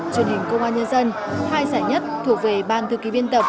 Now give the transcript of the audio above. truyền hình công an nhân dân hai giải nhất thuộc về ban thư ký biên tập